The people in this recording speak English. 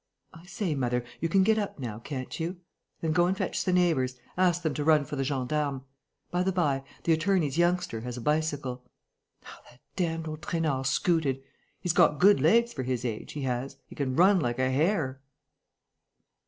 I say, mother, you can get up now, can't you? Then go and fetch the neighbours.... Ask them to run for the gendarmes.... By the by, the attorney's youngster has a bicycle.... How that damned old Trainard scooted! He's got good legs for his age, he has. He can run like a hare!"